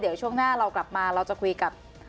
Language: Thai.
เดี๋ยวช่วงหน้าเรากลับมาเราจะคุยกับ